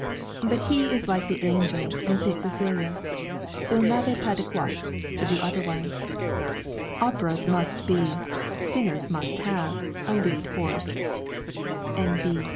But he is like the angels and St. Cecilia, "Il n'avait pas de quoi" to do otherwise. Operas must be, Singers must have, a lead horse (N. B.